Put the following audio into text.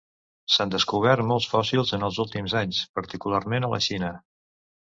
S'han descobert molts fòssils en els últims anys, particularment a la Xina.